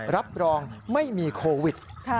รับรองไม่มีโควิด